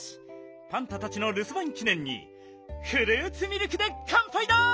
パンタたちのるすばんきねんにフルーツミルクでかんぱいだ！